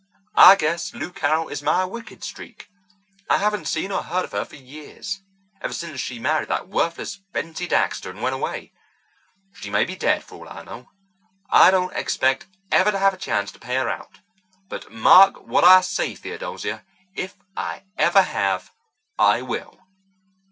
I guess Lou Carroll is my wicked streak. I haven't seen or heard of her for years—ever since she married that worthless Dency Baxter and went away. She may be dead for all I know. I don't expect ever to have a chance to pay her out. But mark what I say, Theodosia, if I ever have, I will."